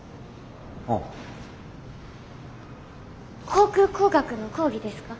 航空工学の講義ですか？